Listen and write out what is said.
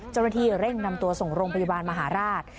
เจ้าหน้าที่เร่งนำตัวส่งโรงพยาบาลมหาราช